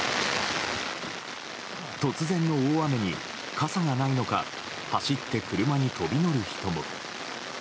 突然の大雨に、傘がないのか、走って車に飛び乗る人も。